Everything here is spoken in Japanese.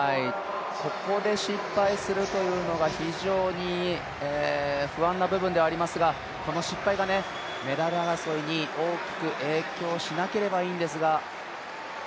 ここで失敗するというのが非常に不安な部分ではありますがこの失敗がメダル争いに大きく影響しなければいいんですが。